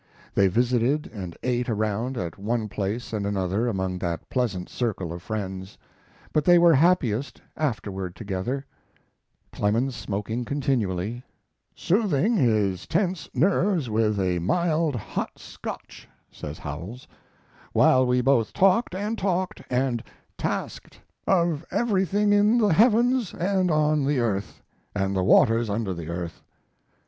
They visited and ate around at one place and another among that pleasant circle of friends. But they were happiest afterward together, Clemens smoking continually, "soothing his tense nerves with a mild hot Scotch," says Howells, "while we both talked, and talked, and tasked of everything in the heavens and on the earth, and the waters under the earth.